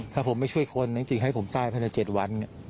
ถ้าผมไม่ช่วยคนจริงให้ผมตายภายใน๗วัน